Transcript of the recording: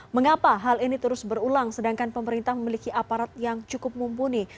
mengapa hal ini terus berulang sedangkan pemerintah memiliki aparat yang cukup mumpuni